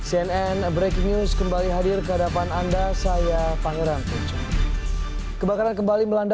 hai cnn breaking news kembali hadir ke hadapan anda saya pangeran kebakaran kembali melanda